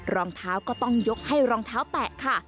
รองเท้าก็ต้องยกให้รองเท้าแตะค่ะ